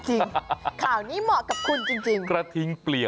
เหมาะกับคุณจริง